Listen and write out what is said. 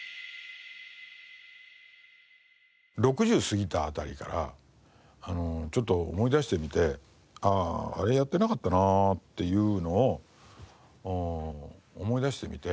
６０過ぎた辺りからちょっと思い出してみて「あああれやってなかったな」っていうのを思い出してみて。